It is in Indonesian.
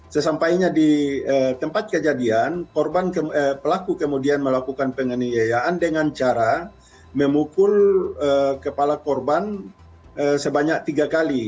sesampainya di tempat kejadian pelaku kemudian melakukan penganiayaan dengan cara memukul kepala korban sebanyak tiga kali